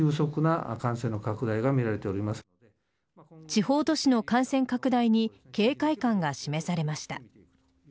地方都市の感染拡大に警戒感が示されました。